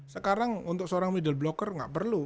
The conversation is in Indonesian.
sekarang untuk seorang middle blocker nggak perlu